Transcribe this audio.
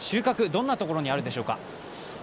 どんなところにあるでしょうか？